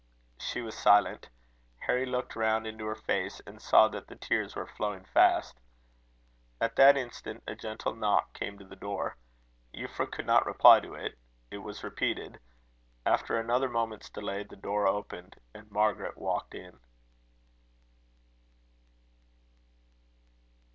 She was silent. Harry looked round into her face, and saw that the tears were flowing fast. At that instant, a gentle knock came to the door. Euphra could not reply to it. It was repeated. After another moment's delay, the door opened, and Margaret walked in.